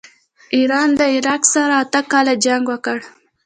ایران له عراق سره اته کاله جنګ وکړ.